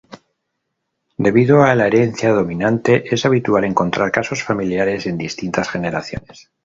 Debido a la herencia dominante es habitual encontrar casos familiares en distintas generaciones.